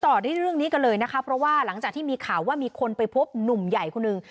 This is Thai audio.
ต่อที่เรื่องนี้กันเลยนะคะเพราะว่าหลังจากที่มีข่าวว่ามีคนไปพบหนุ่มใหญ่คนหนึ่ง